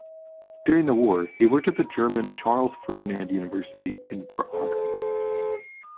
During the War, he worked at the German Charles-Ferdinand University in Prague.